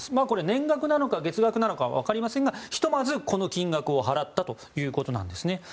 これ、年額なのか月額なのかは分かりませんがひとまず、この金額を払ったということです。